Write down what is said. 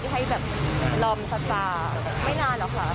ให้แบบรอมสตาร์ไม่นานหรอกค่ะ